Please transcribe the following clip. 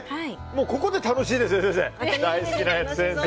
ここで楽しいですね、先生。